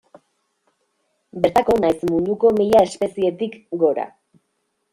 Bertako nahiz munduko mila espezietik gora.